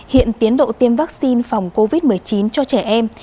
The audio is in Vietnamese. hiện tiến độ tiêm vaccine phòng covid một mươi chín cho trẻ em